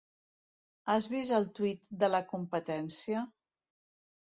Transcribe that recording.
Has vist el tuit de la Competència?